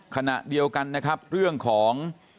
คณะเดียวกันเรื่องของ